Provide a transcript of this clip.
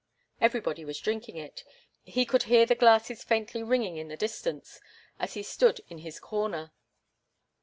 Everybody was drinking it. He could hear the glasses faintly ringing in the distance, as he stood in his corner.